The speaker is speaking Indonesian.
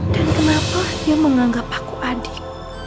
dan kenapa dia menganggap aku adik